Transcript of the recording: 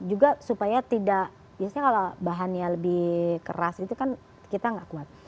juga supaya tidak biasanya kalau bahannya lebih keras itu kan kita nggak kuat